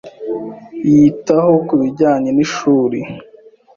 yitaho ku bijyanye n’ ishuri.